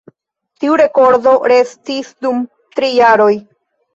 Tiu rekordo restis dum tri jaroj.